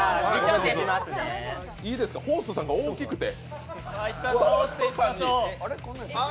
いいですかホーストさんが大きくて。